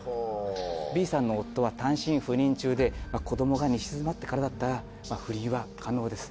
Ｂさんの夫は単身赴任中で子どもが寝静まってからだったら不倫は可能です。